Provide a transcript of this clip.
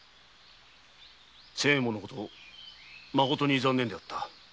仙右衛門のことまことに残念であった。